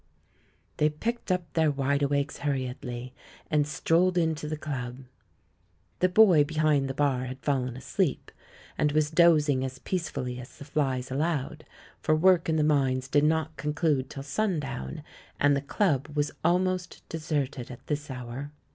They picked up their wideawakes hurriedly, and strolled into the Club. The boy behind the bar had fallen asleep and was dozing as peacefully as the flies allowed, for work in the mines did not conclude till "sun down" and the Club was almost deserted at this hour.